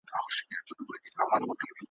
د مېړه يا ترپ دى يا خرپ ,